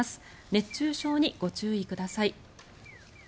熱中症にご注意ください。